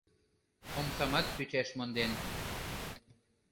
Омсамат тӱчаш монден.